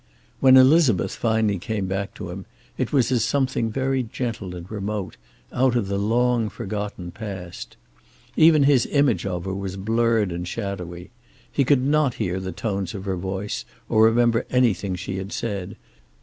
When Elizabeth finally came back to him it was as something very gentle and remote, out of the long forgotten past. Even his image of her was blurred and shadowy. He could not hear the tones of her voice, or remember anything she had said.